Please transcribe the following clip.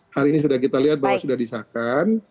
hari ini sudah kita lihat bahwa sudah disahkan